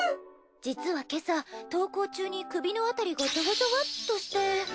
実は今朝登校中に首のあたりがざわざわっとして。